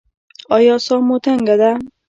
ایا ساه مو تنګه ده؟